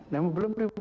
memang belum diumumkan